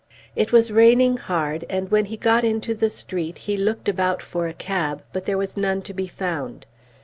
It was raining hard, and when he got into the street he looked about for a cab, but there was none to be found.